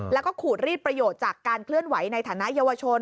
แล้วก็ขูดรีดประโยชน์จากการเคลื่อนไหวในฐานะเยาวชน